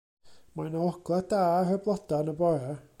Mae 'na ogla' da ar y bloda' yn y bora.